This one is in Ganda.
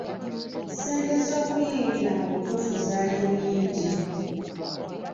Ssente z'okuyingira mu butuufu zaali nnyingi.